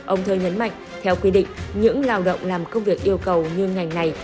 ông thơ nhấn mạnh theo quy định những lao động làm công việc yêu cầu như ngành này